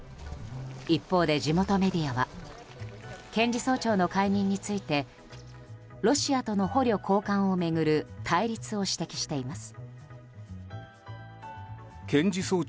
一方で、地元メディアは検事総長の解任についてロシアとの捕虜交換を巡る対立を指摘しています。